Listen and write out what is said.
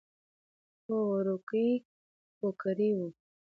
هو وړوکی کوکری و.